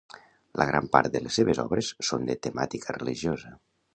La gran part de les seves obres són de temàtica religiosa.